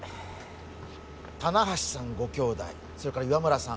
棚橋さんご兄弟それから岩村さん